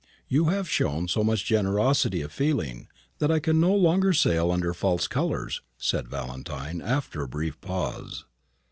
"You have shown so much generosity of feeling, that I can no longer sail under false colours," said Valentine, after a brief pause.